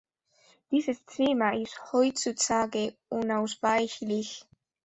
Dieses Thema ist heutzutage unausweichlich.